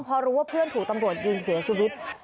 พอรู้ว่าเพื่อนถูกตำรวจยิงเสียชีวิต